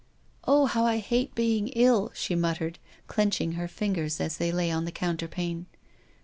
" Oh, how I hate being ill," she muttered, clenching her fingers as they lay on the coun terpane.